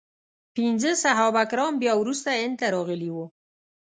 پنځه صحابه کرام بیا وروسته هند ته راغلي وو.